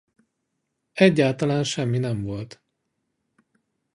Egyáltalán semmi nem volt.